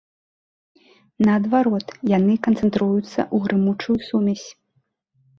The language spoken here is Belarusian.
Наадварот, яны канцэнтруюцца ў грымучую сумесь.